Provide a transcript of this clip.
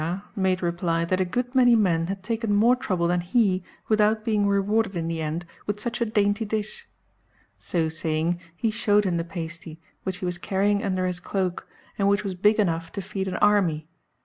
Bernard du Ha made reply that a good many men had taken more trouble than he without being rewarded in the end with such a dainty dish. So saying, he showed him the pasty, which he was carrying under his cloak, and which was big enough to feed an army.